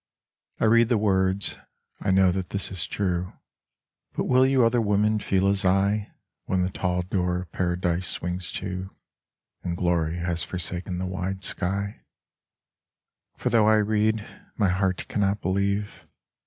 I read the words, I know that this is true, But will you other women feel as I When the tall door of Paradise swings to, And glory has forsaken the wide sky? For though I read, my heart cannot believe.